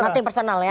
oke nanti personal ya